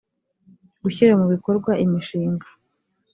gushyira mu bikorwa imishinga